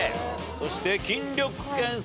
そして筋力検査。